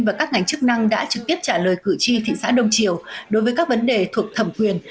và các ngành chức năng đã trực tiếp trả lời cử tri thị xã đông triều đối với các vấn đề thuộc thẩm quyền